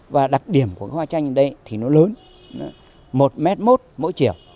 và đặc điểm của hoa tranh ở đây thì nó lớn một một m mỗi chiều